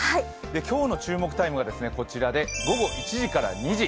今日の注目タイムが午後１時から２時。